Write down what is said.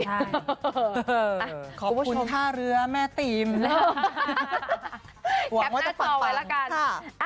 ใช่ขอบคุณท่าเรือแม่ตีมหวังว่าจะฝังต่อไว้แล้วกันค่ะ